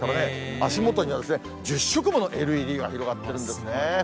足元には１０色ものＬＥＤが広がってるんですね。